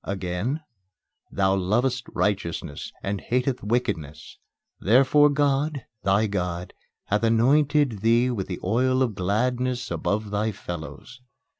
Again: "Thou lovest righteousness, and hatest wickedness. Therefore God, thy God, hath anointed thee with the oil of gladness above thy fellows."